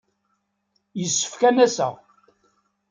Yessefk ad n-aseɣ.